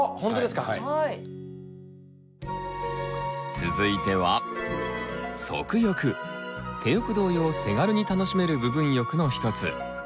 続いては手浴同様手軽に楽しめる部分浴の一つ。